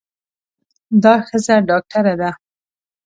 دا ښځه ډاکټره ده.